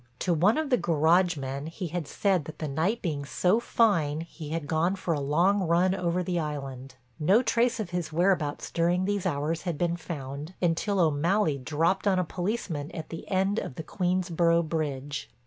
To one of the garage men he had said that the night being so fine he had gone for a long run over the island. No trace of his whereabouts during these hours had been found until O'Malley dropped on a policeman at the end of the Queensborough Bridge.